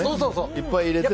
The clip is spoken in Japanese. いっぱい入れても。